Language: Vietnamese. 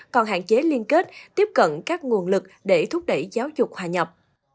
còn hạn chế liên kết tiếp cận các nguồn lực để thúc đẩy giáo dục hòa nhập